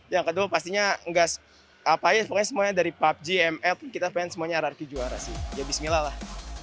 yang kedua pastinya apalagi semuanya dari pubg ml kita pengen semuanya rrq juara sih ya bismillah lah